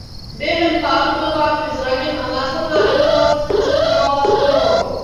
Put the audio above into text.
Během pádu byl vážně zraněn a následná rekonvalescence trvalo skoro rok.